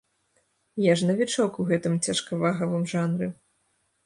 Я ж навічок у гэтым цяжкавагавым жанры.